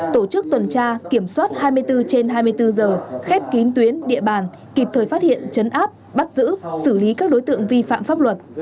tổ chức tuần tra kiểm soát hai mươi bốn trên hai mươi bốn giờ khép kín tuyến địa bàn kịp thời phát hiện chấn áp bắt giữ xử lý các đối tượng vi phạm pháp luật